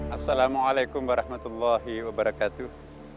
assalamualaikum warahmatullahi wabarakatuh